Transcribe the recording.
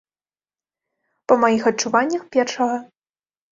Па маіх адчуваннях, першага.